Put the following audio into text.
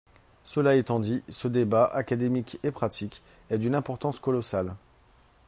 Cela étant dit, ce débat, académique et pratique, est d’une importance colossale.